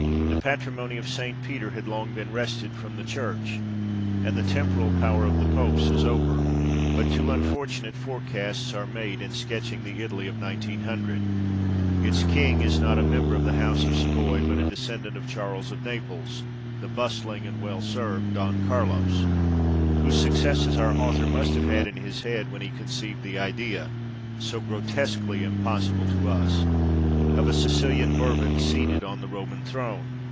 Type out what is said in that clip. " The patrimony of St. Peter had long been wrested from the Church," and the temporal power of the Popes is over. But two unfortunate forecasts are made in sketching the Italy of 1900. Its king is not a member of the house of Savoy, but a descendant of Charles of Naples, the bustling and well served " Don Carlos," whose successes our author must have had in his head, when he conceived xii THE EDITOR'S PREFACE. the idea so grotesquely impossible to us of a Sicilian Bourbon seated on the Roman throne.